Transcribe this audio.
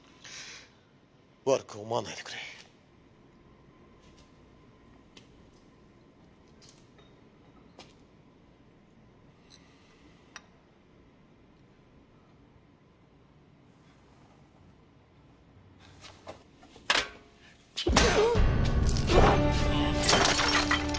悪く思わないでくれ。うっ！